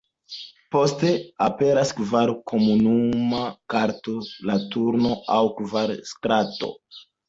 Poste, aperas kvara komuna karto, la turno aŭ 'kvara strato'.